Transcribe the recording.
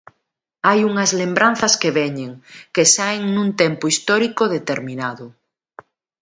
Hai unhas lembranzas que veñen, que saen nun tempo histórico determinado.